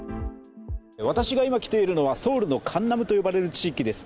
私が今、来ているのはソウルのカンナムと呼ばれる地域です。